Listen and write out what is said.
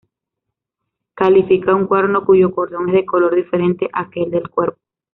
Califica un cuerno cuyo cordón es de color diferente a aquel del cuerpo.